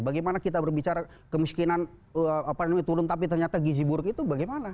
bagaimana kita berbicara kemiskinan turun tapi ternyata gizi buruk itu bagaimana